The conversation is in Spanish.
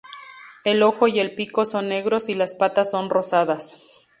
El ojo y el pico son negros y las patas son rosadas.